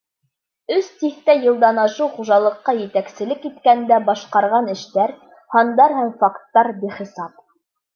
Өс тиҫтә йылдан ашыу хужалыҡҡа етәкселек иткәндә башҡарған эштәр, һандар һәм факттар бихисап.